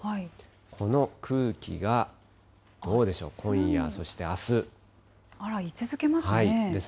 この空気がどうでしょう、今夜、そしてあす。